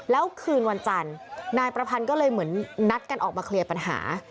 แล้วคืนวันจันทร์นายประพันธ์ก็เลยเหมือนนัดกันออกมาเคลียร์ปัญหา